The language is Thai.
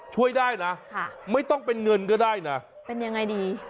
ช่วยได้นะไม่ต้องเป็นเงินก็ได้นะเป็นยังไงดี